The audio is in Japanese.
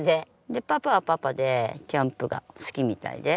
でパパはパパでキャンプが好きみたいで。